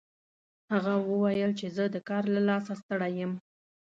هغه وویل چې زه د کار له لاسه ستړی یم